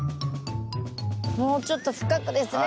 もうちょっと深くですね。